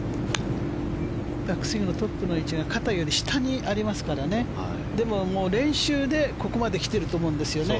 バックスイングのトップの位置が肩より下にありますからねでも、練習でここまで来ていると思うんですね